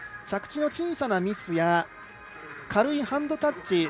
着地の小さなミスや軽いハンドタッチ